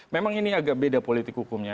memang ini agak beda politik hukumnya